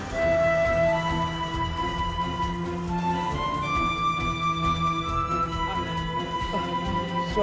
suara apa itu